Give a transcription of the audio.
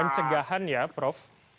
pencegahan ya prof